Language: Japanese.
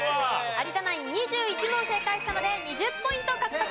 有田ナイン２１問正解したので２０ポイント獲得です。